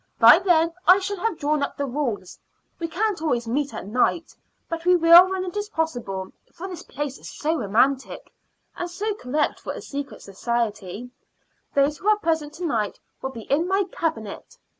"By then I shall have drawn up the rules. We can't always meet at night, but we will when it is possible, for this place is so romantic, and so correct for a secret society. Those who are present to night will be in my Cabinet.